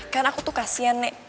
karena aku tuh kasian nek